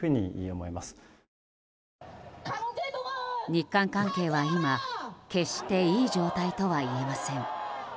日韓関係は、今決していい状態とはいえません。